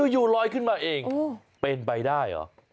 อยู่ลอยขึ้นมาเองเป็นไปได้เหรอ